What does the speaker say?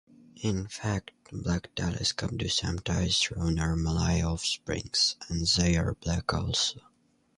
In fact, black telescope do sometimes throw normal-eye offsprings, and they are black also.